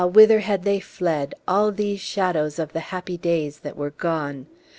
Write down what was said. whither had they fled, all these shadows of the happy days that were gone?